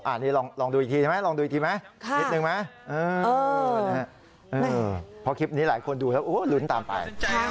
อันนี้ลองดูอีกทีไหมลุดลุงตามไป